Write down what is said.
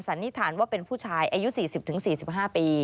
นิษฐานว่าเป็นผู้ชายอายุ๔๐๔๕ปี